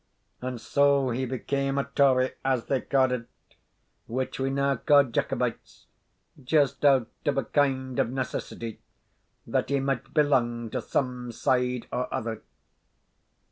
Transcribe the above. And so he became a Tory, as they ca' it, which we now ca' Jacobites, just out of a kind of needcessity, that he might belang to some side or other.